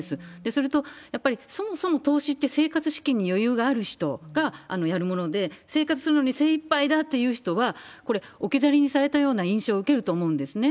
それと、やっぱりそもそも投資って、生活資金に余裕がある人がやるもので、生活するのに精いっぱいだっていう人は、これ、置き去りにされたような印象を受けると思うんですね。